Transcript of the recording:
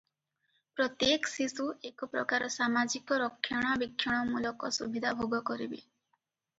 ପ୍ରତ୍ୟେକ ଶିଶୁ ଏକ ପ୍ରକାର ସାମାଜିକ ରକ୍ଷଣାବେକ୍ଷଣମୂଳକ ସୁବିଧା ଭୋଗ କରିବେ ।